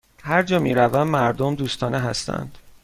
هرجا می روم، مردم دوستانه هستند.